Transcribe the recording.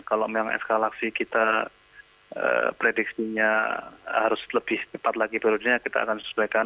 kalau memang eskalasi kita prediksinya harus lebih cepat lagi periodenya kita akan sesuaikan